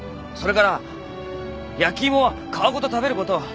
それから焼き芋は皮ごと食べること。